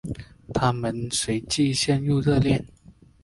他们随即陷入热恋。